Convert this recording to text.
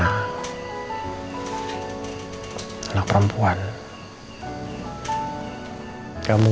anggap pengen konsium